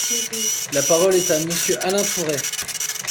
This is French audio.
La parole est à Monsieur Alain Tourret.